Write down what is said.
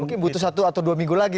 mungkin butuh satu atau dua minggu lagi